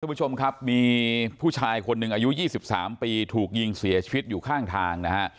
ผู้ชมครับมีผู้ชายคนหนึ่งอายุ๒๓ปีถูกยิงเสียชีวิตอยู่ข้างทางนะฮะ